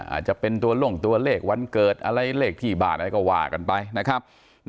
อาจจะเป็นตัวลงตัวเลขวันเกิดอะไรเลขที่บ้านอะไรก็ว่ากันไปนะครับ